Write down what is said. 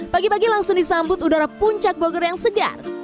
pagi pagi langsung disambut udara puncak bogor yang segar